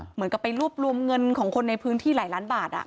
เหมือนกับไปรวบรวมเงินของคนในพื้นที่หลายล้านบาท